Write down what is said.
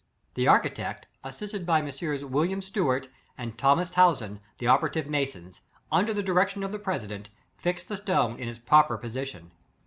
The architect, assisted by Messrs. Wil liam Steuart and Thomas Towson, the operative masons, under the direction of the president, placed the stone in its proper position.